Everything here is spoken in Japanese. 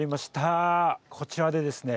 こちらでですね